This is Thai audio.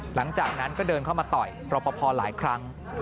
หลังจากนั้นก็เดินเข้ามาต่อยรอปภหลายครั้ง